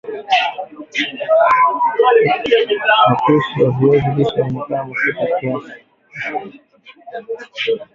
mapishi ya viazi lishe yawekwe mafuta kiasi